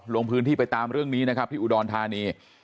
ลงพื้นที่ไปตามเรื่องนี้นะครับที่อุดรธานี